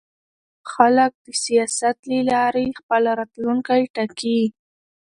خلک د سیاست له لارې خپل راتلونکی ټاکي